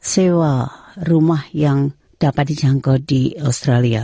sewa rumah yang dapat dijangkau di australia